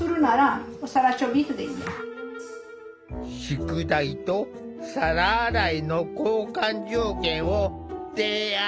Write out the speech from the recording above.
宿題と皿洗いの交換条件を提案。